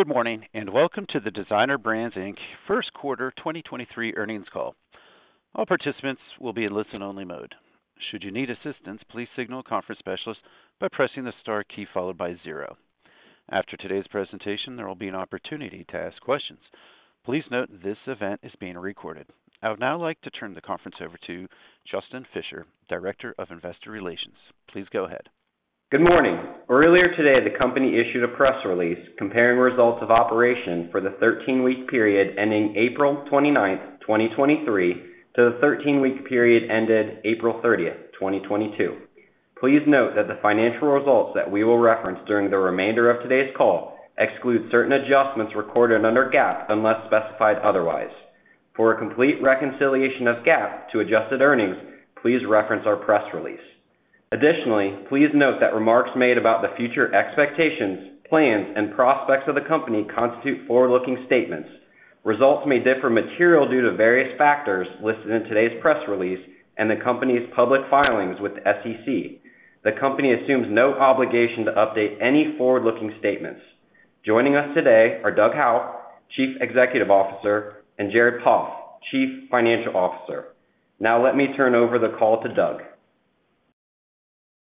Good morning, and welcome to the Designer Brands Inc. Q1 2023 earnings call. All participants will be in listen-only mode. Should you need assistance, please signal a conference specialist by pressing the star key followed by 0. After today's presentation, there will be an opportunity to ask questions. Please note this event is being recorded. I would now like to turn the conference over to Dustin Hauenstein, Director of Investor Relations. Please go ahead. Good morning. Earlier today, the company issued a press release comparing results of operation for the 13-week period ending April 29th, 2023, to the 13-week period ended April 30th, 2022. Please note that the financial results that we will reference during the remainder of today's call exclude certain adjustments recorded under GAAP, unless specified otherwise. For a complete reconciliation of GAAP to adjusted earnings, please reference our press release. Please note that remarks made about the future expectations, plans, and prospects of the company constitute forward-looking statements. Results may differ materially due to various factors listed in today's press release and the company's public filings with the SEC. The company assumes no obligation to update any forward-looking statements. Joining us today are Doug Howe, Chief Executive Officer, and Jared Poff, Chief Financial Officer. Let me turn over the call to Doug.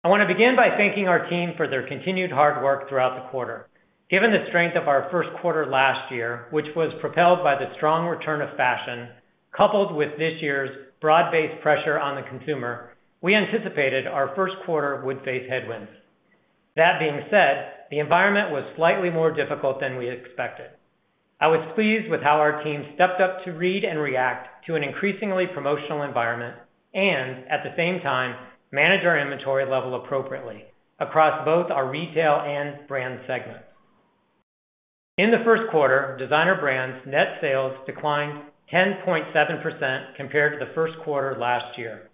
I want to begin by thanking our team for their continued hard work throughout the quarter. Given the strength of our Q1 last year, which was propelled by the strong return of fashion, coupled with this year's broad-based pressure on the consumer, we anticipated our Q1 would face headwinds. That being said, the environment was slightly more difficult than we expected. I was pleased with how our team stepped up to read and react to an increasingly promotional environment and at the same time, manage our inventory level appropriately across both our retail and brand segments. In the Q1, Designer Brands' net sales declined 10.7% compared to the Q1 last year.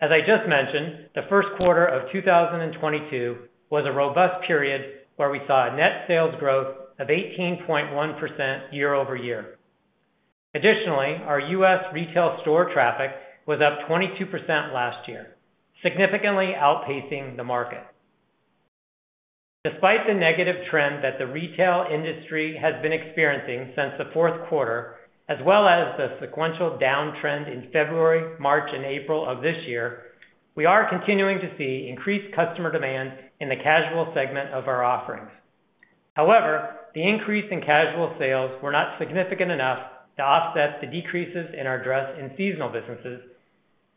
As I just mentioned, the first quarter of 2022 was a robust period where we saw a net sales growth of 18.1% year-over-year. Additionally, our US retail store traffic was up 22% last year, significantly outpacing the market. Despite the negative trend that the retail industry has been experiencing since the fourth quarter, as well as the sequential downtrend in February, March, and April of this year, we are continuing to see increased customer demand in the casual segment of our offerings. However, the increase in casual sales were not significant enough to offset the decreases in our dress and seasonal businesses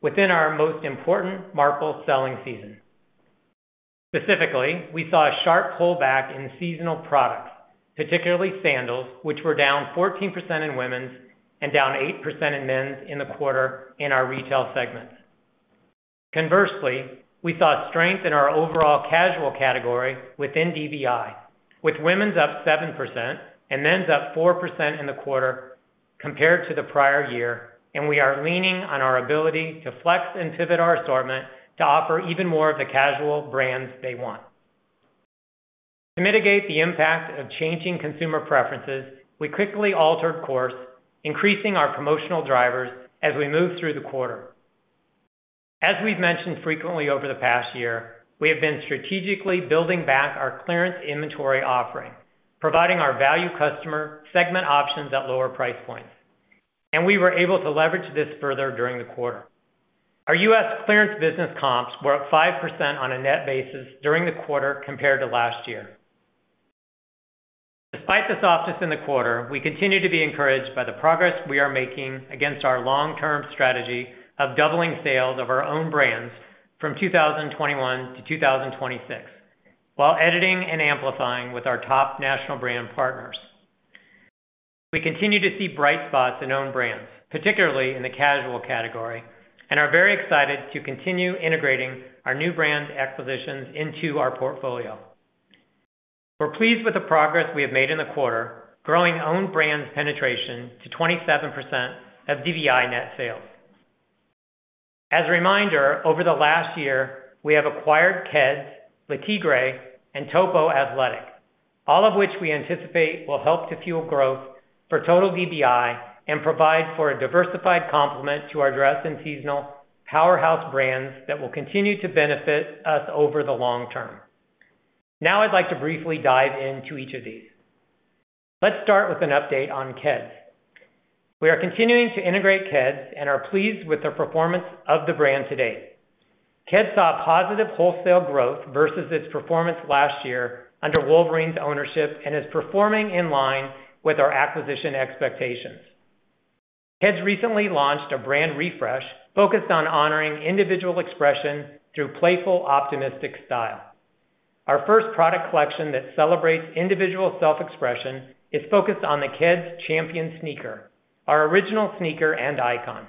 within our most important March/April selling season. Specifically, we saw a sharp pullback in seasonal products, particularly sandals, which were down 14% in women's and down 8% in men's in the quarter in our retail segment. Conversely, we saw strength in our overall casual category within DVI, with women's up 7% and men's up 4% in the quarter compared to the prior year. We are leaning on our ability to flex and pivot our assortment to offer even more of the casual brands they want. To mitigate the impact of changing consumer preferences, we quickly altered course, increasing our promotional drivers as we moved through the quarter. As we've mentioned frequently over the past year, we have been strategically building back our clearance inventory offering, providing our value customer segment options at lower price points, and we were able to leverage this further during the quarter. Our U.S. clearance business comps were up 5% on a net basis during the quarter compared to last year. Despite the softness in the quarter, we continue to be encouraged by the progress we are making against our long-term strategy of doubling sales of our own brands from 2021 to 2026, while editing and amplifying with our top national brand partners. We continue to see bright spots in own brands, particularly in the casual category, and are very excited to continue integrating our new brand acquisitions into our portfolio. We're pleased with the progress we have made in the quarter, growing own brands penetration to 27% of DVI net sales. As a reminder, over the last year, we have acquired Keds, Le Tigre, and Topo Athletic, all of which we anticipate will help to fuel growth for total DVI and provide for a diversified complement to our dress and seasonal powerhouse brands that will continue to benefit us over the long term. Now I'd like to briefly dive into each of these. Let's start with an update on Keds. We are continuing to integrate Keds and are pleased with the performance of the brand to date. Keds saw positive wholesale growth versus its performance last year under Wolverine's ownership and is performing in line with our acquisition expectations. Keds recently launched a brand refresh focused on honoring individual expression through playful, optimistic style. Our first product collection that celebrates individual self-expression is focused on the Keds Champion sneaker, our original sneaker and icon.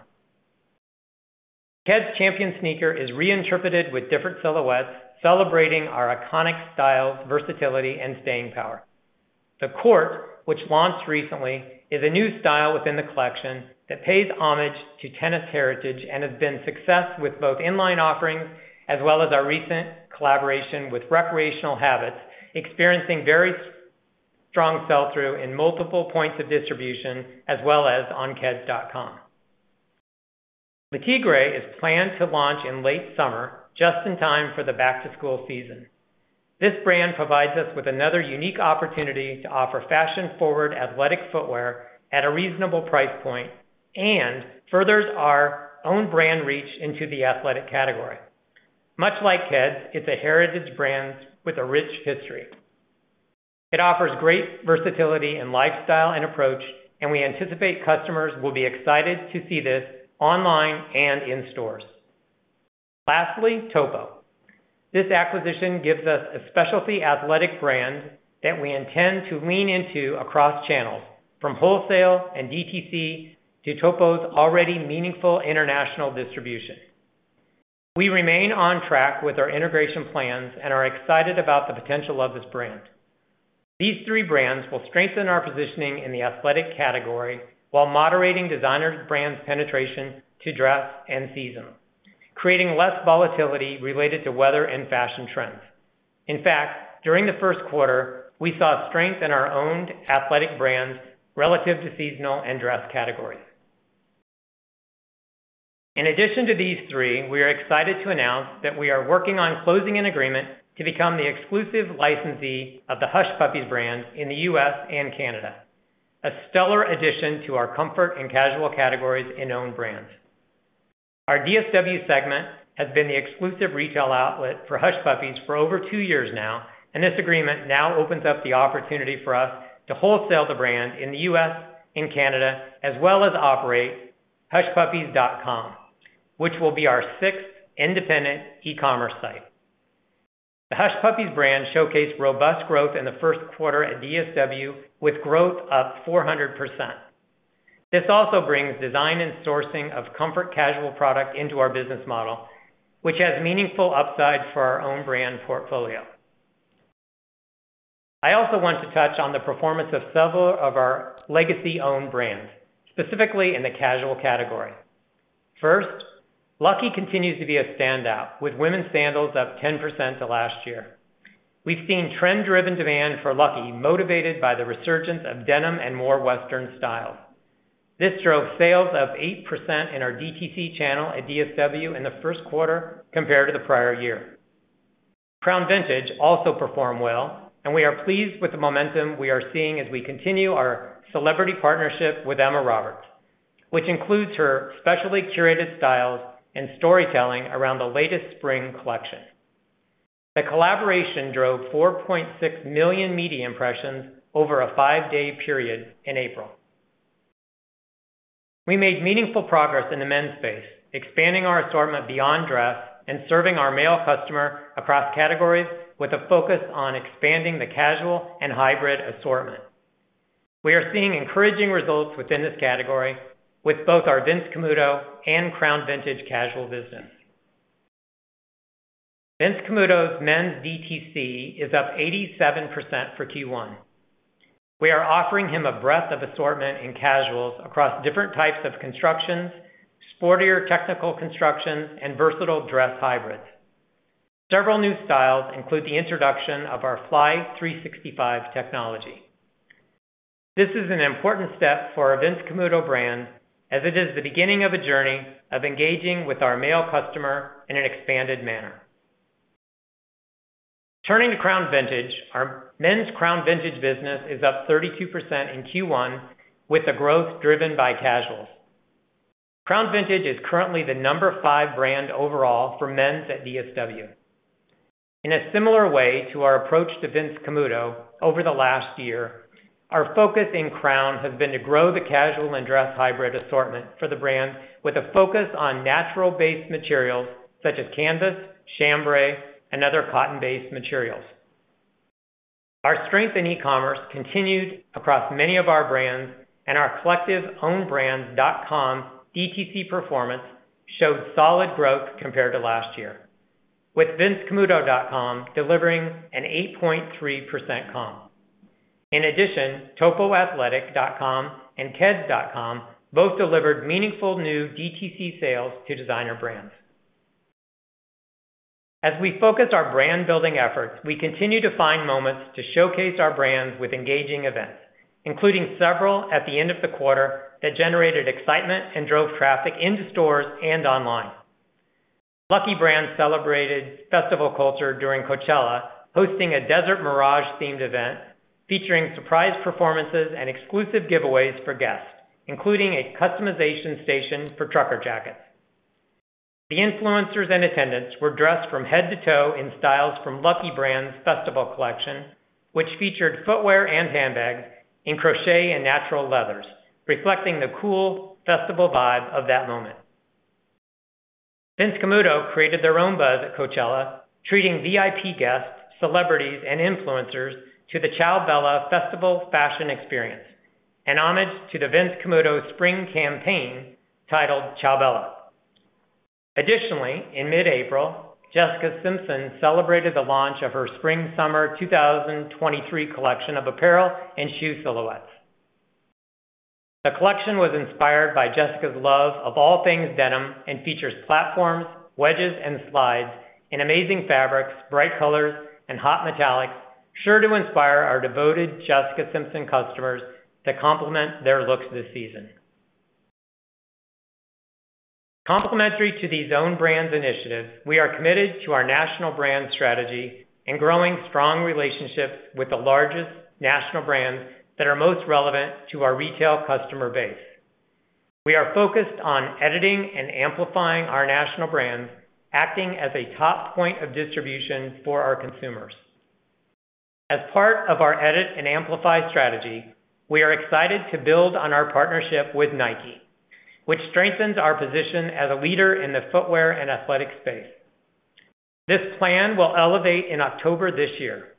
Keds Champion sneaker is reinterpreted with different silhouettes, celebrating our iconic style, versatility, and staying power. The Court, which launched recently, is a new style within the collection that pays homage to tennis heritage and has been a success with both in-line offerings as well as our recent collaboration with Recreational Habits, experiencing very strong sell-through in multiple points of distribution as well as on keds.com. Le Tigre is planned to launch in late summer, just in time for the back-to-school season. This brand provides us with another unique opportunity to offer fashion-forward athletic footwear at a reasonable price point and furthers our own brand reach into the athletic category. Much like Keds, it's a heritage brand with a rich history. It offers great versatility and lifestyle and approach. We anticipate customers will be excited to see this online and in stores. Lastly, Topo. This acquisition gives us a specialty athletic brand that we intend to lean into across channels, from wholesale and DTC to Topo's already meaningful international distribution. We remain on track with our integration plans and are excited about the potential of this brand. These three brands will strengthen our positioning in the athletic category while moderating Designer Brands' penetration to dress and season, creating less volatility related to weather and fashion trends. In fact, during the first quarter, we saw strength in our owned athletic brands relative to seasonal and dress categories. In addition to these three, we are excited to announce that we are working on closing an agreement to become the exclusive licensee of the Hush Puppies brand in the U.S. and Canada, a stellar addition to our comfort and casual categories in owned brands. Our DSW segment has been the exclusive retail outlet for Hush Puppies for over two years now. This agreement now opens up the opportunity for us to wholesale the brand in the U.S. and Canada, as well as operate HushPuppies.com, which will be our sixth independent e-commerce site. The Hush Puppies brand showcased robust growth in the Q1 at DSW, with growth up 400%. This also brings design and sourcing of comfort casual product into our business model, which has meaningful upside for our own brand portfolio. I also want to touch on the performance of several of our legacy owned brands, specifically in the casual category. First, Lucky continues to be a standout, with women's sandals up 10% to last year. We've seen trend-driven demand for Lucky, motivated by the resurgence of denim and more Western styles. This drove sales up 8% in our DTC channel at DSW in the first quarter compared to the prior year. Crown Vintage also performed well. We are pleased with the momentum we are seeing as we continue our celebrity partnership with Emma Roberts, which includes her specially curated styles and storytelling around the latest spring collection. The collaboration drove 4.6 million media impressions over a five-day period in April. We made meaningful progress in the men's space, expanding our assortment beyond dress and serving our male customer across categories with a focus on expanding the casual and hybrid assortment. We are seeing encouraging results within this category with both our Vince Camuto and Crown Vintage casual business. Vince Camuto's men's DTC is up 87% for Q1. We are offering him a breadth of assortment in casuals across different types of constructions, sportier technical constructions, and versatile dress hybrids. Several new styles include the introduction of our Fly365 technology. This is an important step for our Vince Camuto brand, as it is the beginning of a journey of engaging with our male customer in an expanded manner. Turning to Crown Vintage, our men's Crown Vintage business is up 32% in Q1, with the growth driven by casuals. Crown Vintage is currently the number five brand overall for men's at DSW. In a similar way to our approach to Vince Camuto over the last year, our focus in Crown has been to grow the casual and dress hybrid assortment for the brand with a focus on natural-based materials such as canvas, chambray, and other cotton-based materials. Our strength in e-commerce continued across many of our brands, and our collective ownbrands.com DTC performance showed solid growth compared to last year, with vincecamuto.com delivering an 8.3% comp. In addition, topoathletic.com and keds.com both delivered meaningful new DTC sales to designer brands. As we focus our brand-building efforts, we continue to find moments to showcase our brands with engaging events, including several at the end of the quarter that generated excitement and drove traffic into stores and online. Lucky Brand celebrated festival culture during Coachella, hosting a Desert Mirage-themed event featuring surprise performances and exclusive giveaways for guests, including a customization station for trucker jackets. The influencers in attendance were dressed from head to toe in styles from Lucky Brand's Festival Collection, which featured footwear and handbags in crochet and natural leathers, reflecting the cool festival vibe of that moment. Vince Camuto created their own buzz at Coachella, treating VIP guests, celebrities, and influencers to the Ciao Bella Festival Fashion Experience, an homage to the Vince Camuto spring campaign titled Ciao Bella. In mid-April, Jessica Simpson celebrated the launch of her spring/summer 2023 collection of apparel and shoe silhouettes. The collection was inspired by Jessica's love of all things denim and features platforms, wedges, and slides in amazing fabrics, bright colors, and hot metallics. sure to inspire our devoted Jessica Simpson customers to complement their looks this season. Complementary to these own brands initiatives, we are committed to our national brand strategy and growing strong relationships with the largest national brands that are most relevant to our retail customer base. We are focused on editing and amplifying our national brands, acting as a top point of distribution for our consumers. As part of our edit and amplify strategy, we are excited to build on our partnership with Nike, which strengthens our position as a leader in the footwear and athletic space. This plan will elevate in October this year.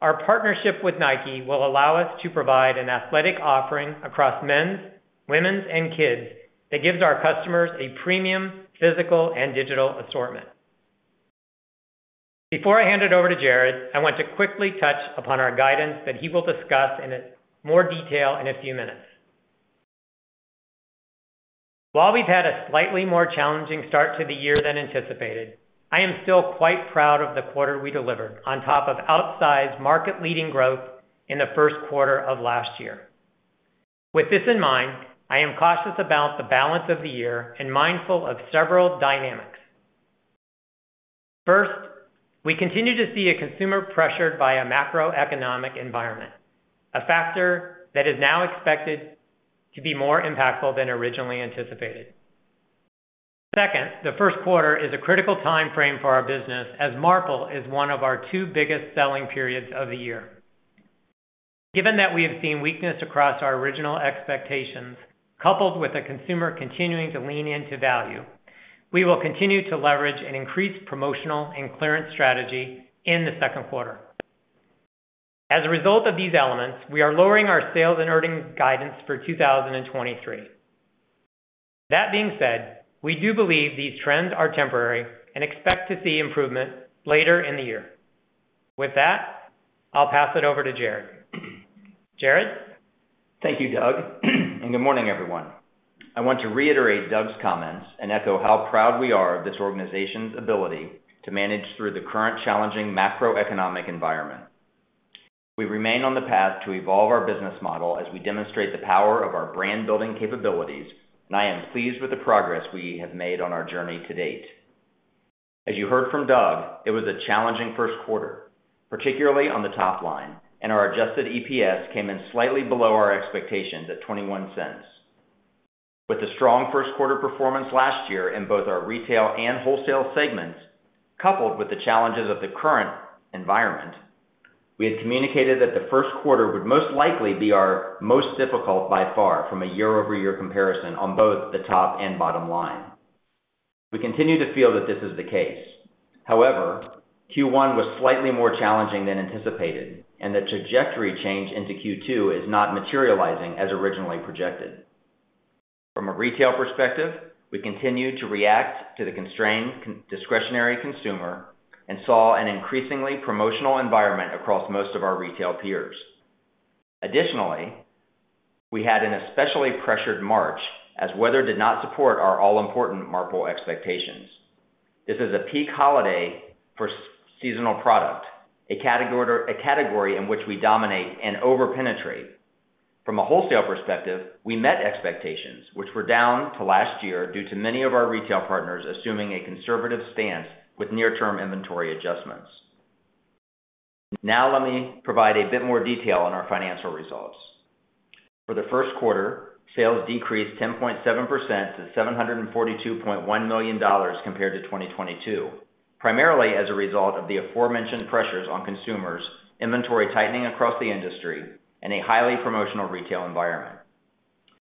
Our partnership with Nike will allow us to provide an athletic offering across men's, women's, and kids' that gives our customers a premium, physical, and digital assortment. Before I hand it over to Jared, I want to quickly touch upon our guidance that he will discuss in a more detail in a few minutes. While we've had a slightly more challenging start to the year than anticipated, I am still quite proud of the quarter we delivered on top of outsized market-leading growth in the Q1 of last year. With this in mind, I am cautious about the balance of the year and mindful of several dynamics. First, we continue to see a consumer pressured by a macroeconomic environment, a factor that is now expected to be more impactful than originally anticipated. Second, the Q1 is a critical time frame for our business, as Marple is one of our 2 biggest selling periods of the year. Given that we have seen weakness across our original expectations, coupled with the consumer continuing to lean into value, we will continue to leverage an increased promotional and clearance strategy in the Q2. As a result of these elements, we are lowering our sales and earnings guidance for 2023. That being said, we do believe these trends are temporary and expect to see improvement later in the year. With that, I'll pass it over to Jared. Jared? Thank you, Doug. Good morning, everyone. I want to reiterate Doug's comments and echo how proud we are of this organization's ability to manage through the current challenging macroeconomic environment. We remain on the path to evolve our business model as we demonstrate the power of our brand-building capabilities. I am pleased with the progress we have made on our journey to date. As you heard from Doug, it was a challenging Q1, particularly on the top line. Our adjusted EPS came in slightly below our expectations at $0.21. With the strong Q1 performance last year in both our retail and wholesale segments, coupled with the challenges of the current environment, we had communicated that the Q1 would most likely be our most difficult by far from a year-over-year comparison on both the top and bottom line. We continue to feel that this is the case. However, Q1 was slightly more challenging than anticipated, and the trajectory change into Q2 is not materializing as originally projected. From a retail perspective, we continue to react to the constrained discretionary consumer and saw an increasingly promotional environment across most of our retail peers. Additionally, we had an especially pressured March, as weather did not support our all-important Marple expectations. This is a peak holiday for seasonal product, a category in which we dominate and over-penetrate. From a wholesale perspective, we met expectations which were down to last year due to many of our retail partners assuming a conservative stance with near-term inventory adjustments. Let me provide a bit more detail on our financial results. For the Q1, sales decreased 10.7% to $742.1 million compared to 2022, primarily as a result of the aforementioned pressures on consumers, inventory tightening across the industry, and a highly promotional retail environment.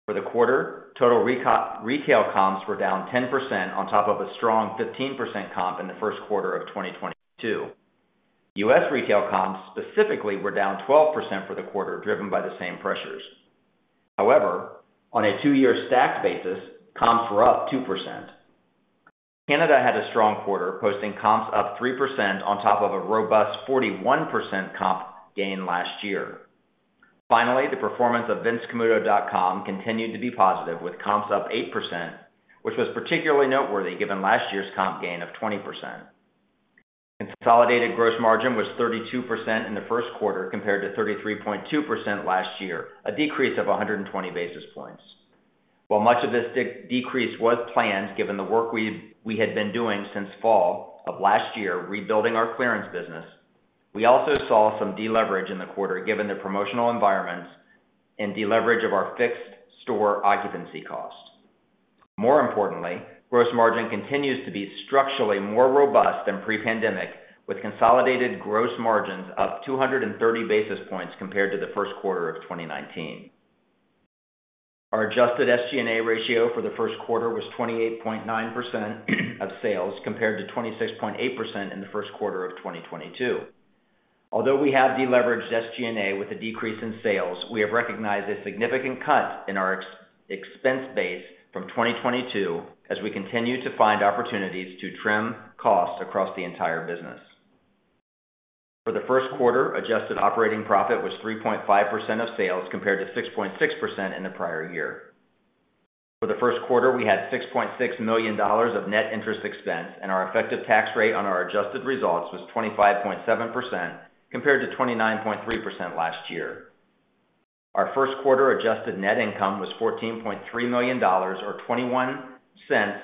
For the quarter, total retail comps were down 10% on top of a strong 15% comp in the Q1 of 2022. US retail comps specifically were down 12% for the quarter, driven by the same pressures. However, on a 2-year stacked basis, comps were up 2%. Canada had a strong quarter, posting comps up 3% on top of a robust 41% comp gain last year. Finally, the performance of vincecamuto.com continued to be positive, with comps up 8%, which was particularly noteworthy given last year's comp gain of 20%. Consolidated gross margin was 32% in the Q1, compared to 33.2% last year, a decrease of 120 basis points. While much of this decrease was planned, given the work we had been doing since fall of last year, rebuilding our clearance business, we also saw some deleverage in the quarter, given the promotional environments and deleverage of our fixed store occupancy costs. More importantly, gross margin continues to be structurally more robust than pre-pandemic, with consolidated gross margins up 230 basis points compared to the first quarter of 2019. Our adjusted SG&A ratio for the Q1 was 28.9% of sales, compared to 26.8% in the Q1 of 2022. Although we have deleveraged SG&A with a decrease in sales, we have recognized a significant cut in our expense base from 2022 as we continue to find opportunities to trim costs across the entire business. For the Q1, adjusted operating profit was 3.5% of sales, compared to 6.6% in the prior year. For the Q1, we had $6.6 million of net interest expense, and our effective tax rate on our adjusted results was 25.7%, compared to 29.3% last year. Our Q1 adjusted net income was $14.3 million, or $0.21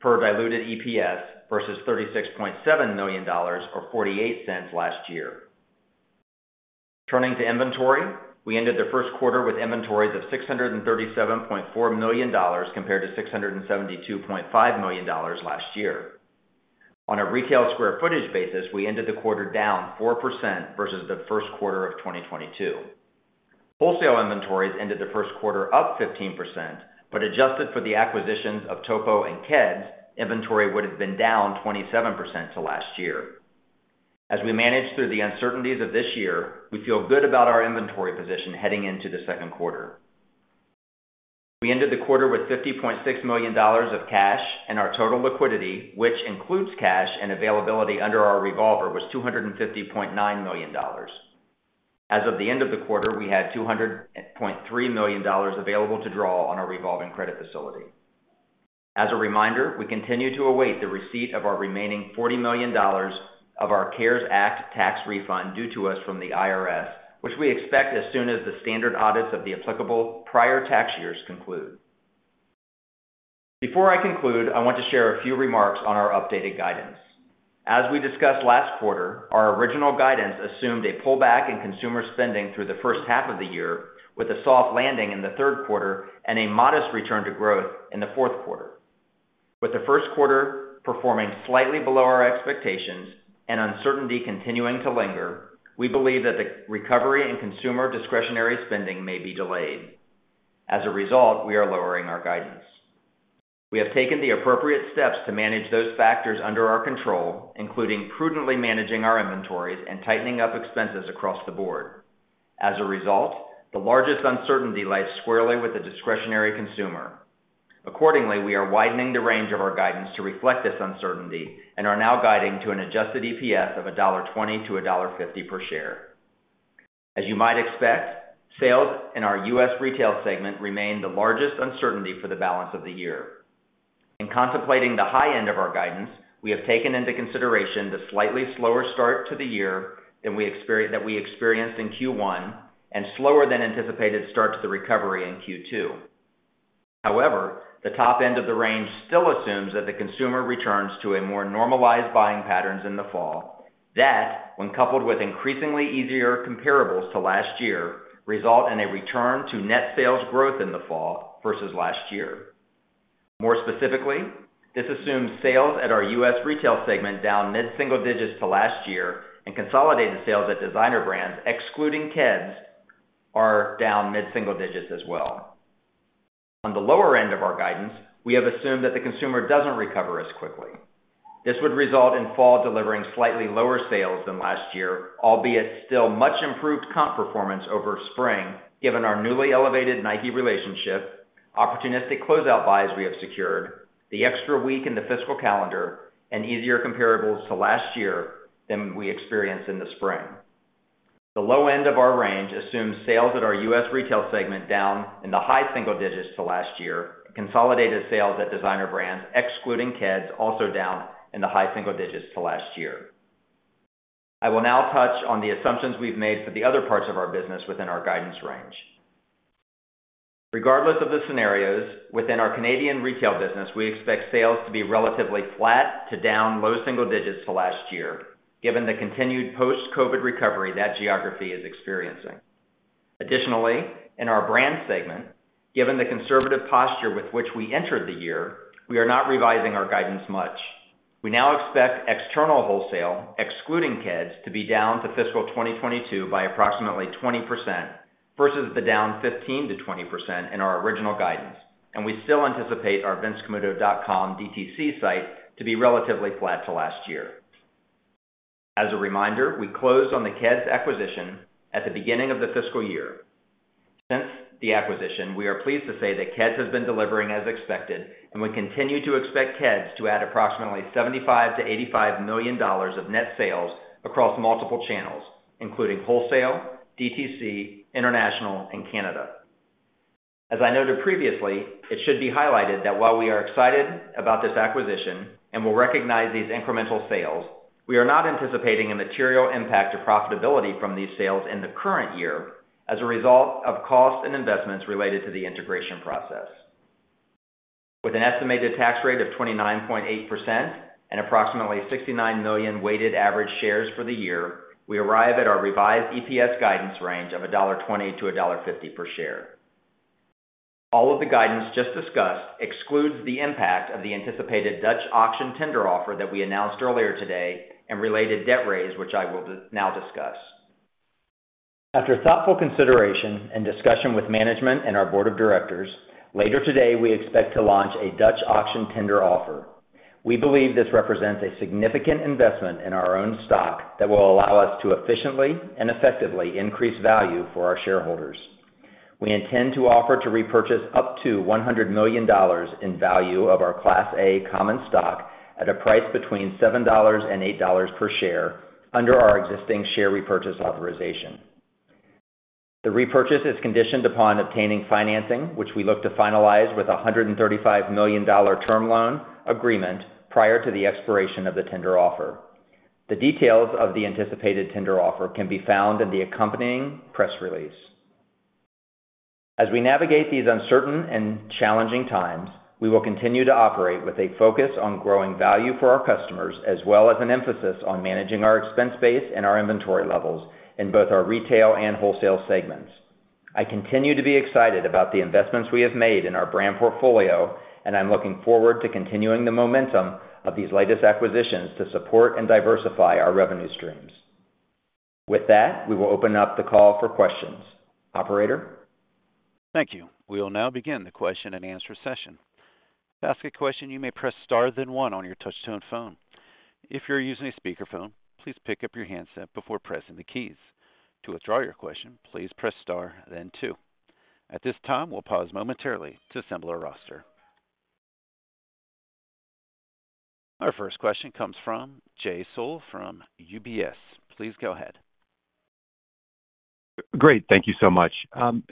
per diluted EPS, versus $36.7 million, or $0.48 last year. Turning to inventory, we ended the Q1 with inventories of $637.4 million, compared to $672.5 million last year. On a retail square footage basis, we ended the quarter down 4% versus the Q1 of 2022. Wholesale inventories ended the Q1 up 15%, but adjusted for the acquisitions of Topo and Keds, inventory would have been down 27% to last year. As we manage through the uncertainties of this year, we feel good about our inventory position heading into the Q2. We ended the quarter with $50.6 million of cash, and our total liquidity, which includes cash and availability under our revolver, was $250.9 million. As of the end of the quarter, we had $200.3 million available to draw on our revolving credit facility. As a reminder, we continue to await the receipt of our remaining $40 million of our CARES Act tax refund due to us from the IRS, which we expect as soon as the standard audits of the applicable prior tax years conclude. Before I conclude, I want to share a few remarks on our updated guidance. As we discussed last quarter, our original guidance assumed a pullback in consumer spending through the H1 of the year, with a soft landing in the Q3 and a modest return to growth in the Q4. With the Q1 performing slightly below our expectations and uncertainty continuing to linger, we believe that the recovery in consumer discretionary spending may be delayed. As a result, we are lowering our guidance. We have taken the appropriate steps to manage those factors under our control, including prudently managing our inventories and tightening up expenses across the board. As a result, the largest uncertainty lies squarely with the discretionary consumer. Accordingly, we are widening the range of our guidance to reflect this uncertainty and are now guiding to an adjusted EPS of $1.20-$1.50 per share. As you might expect, sales in our U.S. retail segment remain the largest uncertainty for the balance of the year. In contemplating the high end of our guidance, we have taken into consideration the slightly slower start to the year than we experienced in Q1 and slower than anticipated start to the recovery in Q2. However, the top end of the range still assumes that the consumer returns to a more normalized buying patterns in the fall. That, when coupled with increasingly easier comparables to last year, result in a return to net sales growth in the fall versus last year. More specifically, this assumes sales at our U.S. retail segment down mid-single digits to last year, and consolidated sales at Designer Brands, excluding Keds, are down mid-single digits as well. On the lower end of our guidance, we have assumed that the consumer doesn't recover as quickly. This would result in fall delivering slightly lower sales than last year, albeit still much improved comp performance over spring, given our newly elevated Nike relationship, opportunistic closeout buys we have secured, the extra week in the fiscal calendar, and easier comparables to last year than we experienced in the spring. The low end of our range assumes sales at our U.S. retail segment down in the high single digits to last year. Consolidated sales at Designer Brands, excluding Keds, also down in the high single digits to last year. I will now touch on the assumptions we've made for the other parts of our business within our guidance range. Regardless of the scenarios, within our Canadian retail business, we expect sales to be relatively flat to down low single digits to last year, given the continued post-COVID recovery that geography is experiencing. In our brand segment, given the conservative posture with which we entered the year, we are not revising our guidance much. We now expect external wholesale, excluding Keds, to be down to fiscal 2022 by approximately 20% versus the down 15%-20% in our original guidance. We still anticipate our vincecamuto.com DTC site to be relatively flat to last year. As a reminder, we closed on the Keds acquisition at the beginning of the fiscal year. Since the acquisition, we are pleased to say that Keds has been delivering as expected, and we continue to expect Keds to add approximately $75 million-$85 million of net sales across multiple channels, including wholesale, DTC, international, and Canada. As I noted previously, it should be highlighted that while we are excited about this acquisition and will recognize these incremental sales, we are not anticipating a material impact to profitability from these sales in the current year as a result of cost and investments related to the integration process. With an estimated tax rate of 29.8% and approximately 69 million weighted average shares for the year, we arrive at our revised EPS guidance range of $1.20-$1.50 per share. All of the guidance just discussed excludes the impact of the anticipated Dutch auction tender offer that we announced earlier today and related debt raise, which I will now discuss. After thoughtful consideration and discussion with management and our board of directors, later today, we expect to launch a Dutch auction tender offer. We believe this represents a significant investment in our own stock that will allow us to efficiently and effectively increase value for our shareholders. We intend to offer to repurchase up to $100 million in value of our Class A common stock at a price between $7 and $8 per share under our existing share repurchase authorization. The repurchase is conditioned upon obtaining financing, which we look to finalize with a $135 million term loan agreement prior to the expiration of the tender offer. The details of the anticipated tender offer can be found in the accompanying press release. As we navigate these uncertain and challenging times, we will continue to operate with a focus on growing value for our customers, as well as an emphasis on managing our expense base and our inventory levels in both our retail and wholesale segments. I'm continuing to be excited about the investments we have made in our brand portfolio, and I'm looking forward to continuing the momentum of these latest acquisitions to support and diversify our revenue streams. With that, we will open up the call for questions. Operator? Thank you. We will now begin the question- and- answer session. To ask a question, you may press star then one on your touch-tone phone. If you're using a speakerphone, please pick up your handset before pressing the keys. To withdraw your question, please press star then two. At this time, we'll pause momentarily to assemble our roster. Our first question comes from Jay Sole from UBS. Please go ahead. Great. Thank you so much.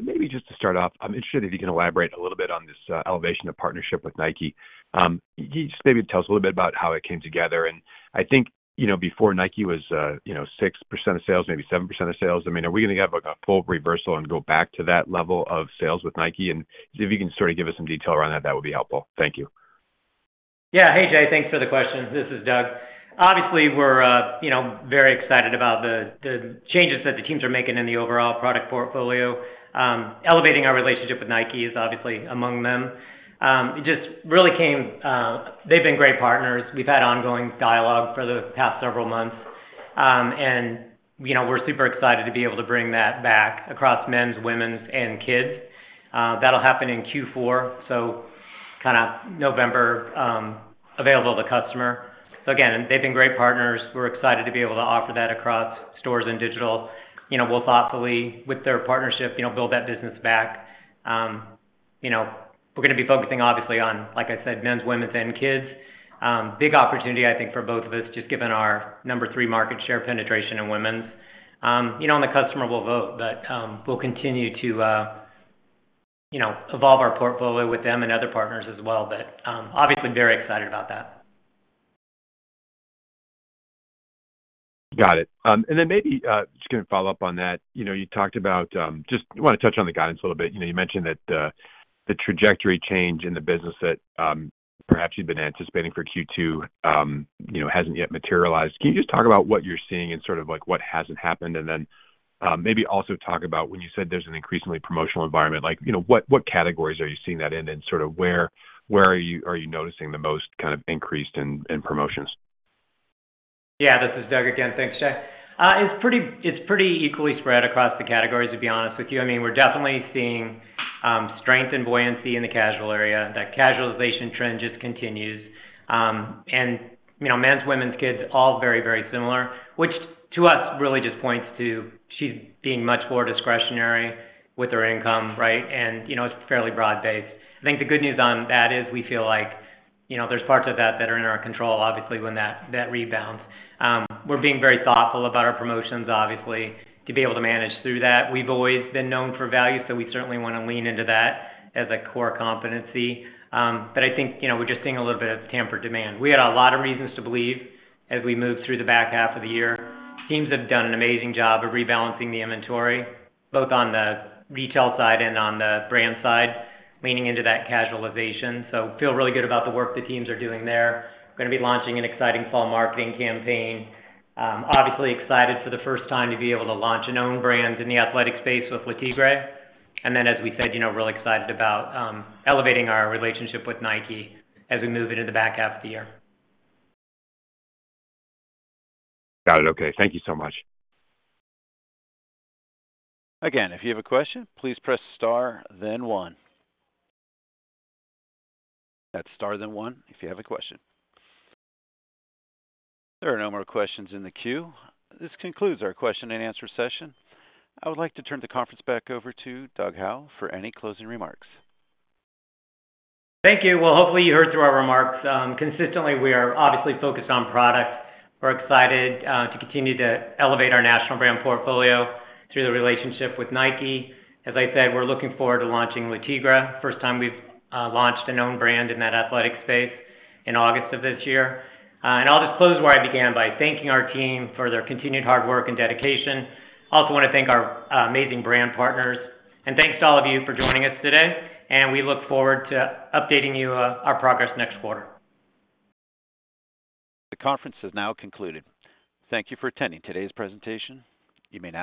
Maybe just to start off, I'm interested if you can elaborate a little bit on this elevation of partnership with Nike. Can you just maybe tell us a little bit about how it came together? I think, you know, before Nike was, you know, 6% of sales, maybe 7% of sales. I mean, are we going to have, like, a full reversal and go back to that level of sales with Nike? If you can sort of give us some detail around that would be helpful. Thank you. Yeah. Hey, Jay. Thanks for the question. This is Doug. Obviously, we're, you know, very excited about the changes that the teams are making in the overall product portfolio. Elevating our relationship with Nike is obviously among them. They've been great partners. We've had ongoing dialogue for the past several months. You know, we're super excited to be able to bring that back across men's, women's, and kids. That'll happen in Q4, so November, available to customer. Again, they've been great partners. We're excited to be able to offer that across stores and digital. You know, we'll thoughtfully, with their partnership, you know, build that business back. You know, we're going to be focusing, obviously, on, like I said, men's, women's, and kids. big opportunity, I think, for both of us, just given our number 3 market share penetration in women's. you know, the customer will vote, but, we'll continue to, you know, evolve our portfolio with them and other partners as well, but, obviously, very excited about that. Got it. Maybe, just going to follow up on that. You know, you talked about, just want to touch on the guidance a little bit. You know, you mentioned that the trajectory change in the business that perhaps you've been anticipating for Q2, you know, hasn't yet materialized. Can you just talk about what you're seeing and sort of, like, what hasn't happened? Maybe also talk about when you said there's an increasingly promotional environment, like, you know, what categories are you seeing that in, and sort of where are you noticing the most kind of increased in promotions? Yeah, this is Doug again. Thanks, Jay. It's pretty equally spread across the categories, to be honest with you. I mean, we're definitely seeing strength and buoyancy in the casual area. That casualization trend just continues. You know, men's, women's, kids, all very, very similar, which to us, really just points to she's being much more discretionary with her income, right? You know, it's fairly broad-based. I think the good news on that is we feel like, you know, there's parts of that that are in our control, obviously, when that rebounds. We're being very thoughtful about our promotions, obviously, to be able to manage through that. We've always been known for value, we certainly want to lean into that as a core competency. I think, you know, we're just seeing a little bit of tampered demand. We had a lot of reasons to believe as we moved through the back half of the year. Teams have done an amazing job of rebalancing the inventory, both on the retail side and on the brand side, leaning into that casualization. Feel really good about the work the teams are doing there. We're going to be launching an exciting fall marketing campaign. Obviously excited for the first time to be able to launch an own brand in the athletic space with Le Tigre. As we said, you know, really excited about elevating our relationship with Nike as we move into the back half of the year. Got it. Okay. Thank you so much. Again, if you have a question, please press star then 1. That's star then 1, if you have a question. There are no more questions in the queue. This concludes our question-and-answer session. I would like to turn the conference back over to Doug Howe for any closing remarks. Thank you. Well, hopefully, you heard through our remarks, consistently, we are obviously focused on product. We're excited to continue to elevate our national brand portfolio through the relationship with Nike. As I said, we're looking forward to launching Le Tigre, first time we've launched a known brand in that athletic space in August of this year. I'll just close where I began by thanking our team for their continued hard work and dedication. I also want to thank our amazing brand partners, thanks to all of you for joining us today, we look forward to updating you our progress next quarter. The conference is now concluded. Thank you for attending today's presentation. You may now...